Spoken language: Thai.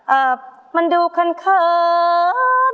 เอ่อมันดูเคินเคิน